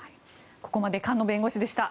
ここまで菅野弁護士でした。